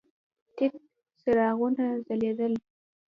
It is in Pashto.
تت څراغونه ځلېدل.